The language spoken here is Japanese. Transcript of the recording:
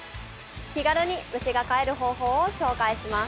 気軽に虫が飼える方法を紹介します。